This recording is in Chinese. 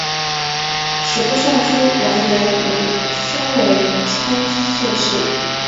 吏部尚书完颜奴申为参知政事。